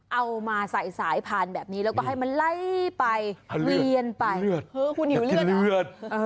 เอามาใส่สายผ่านแล้วก็ให้ล่ายไปเห